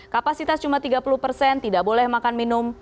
kapasitas cuma tiga puluh persen tidak boleh makan minum